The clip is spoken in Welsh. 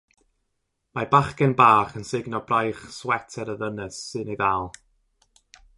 Mae bachgen bach yn sugno braich sweter y ddynes sy'n ei ddal